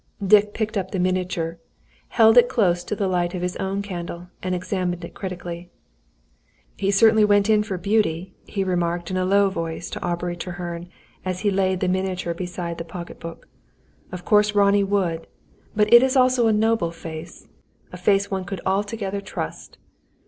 Dick picked up the miniature, held it close to the light of his own candle, and examined it critically. "He certainly went in for beauty," he remarked in a low voice to Aubrey Treherne, as he laid the miniature beside the pocket book. "Of course Ronnie would. But it is also a noble face a face one could altogether trust.